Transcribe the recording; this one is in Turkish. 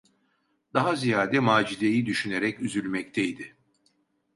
Daha ziyade Macide’yi düşünerek üzülmekteydi.